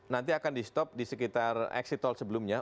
nanti akan di stop di sekitar exit tol sebelumnya